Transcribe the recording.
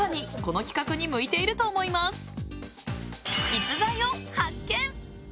逸材を発見！